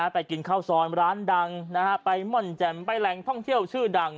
ไปกินข้าวซอยร้านดังไปม่อนแจ่มไปแหล่งท่องเที่ยวชื่อดัง